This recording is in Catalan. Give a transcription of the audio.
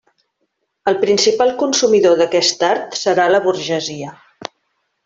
El principal consumidor d'aquest art serà la burgesia.